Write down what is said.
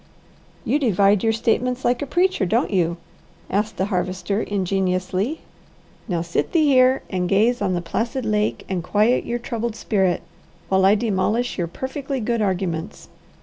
"You divide your statements like a preacher, don't you?" asked the Harvester ingenuously. "Now sit thee here and gaze on the placid lake and quiet your troubled spirit, while I demolish your 'perfectly good' arguments.